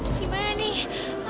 dia ada di sana